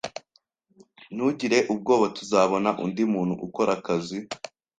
Ntugire ubwoba. Tuzabona undi muntu ukora akazi.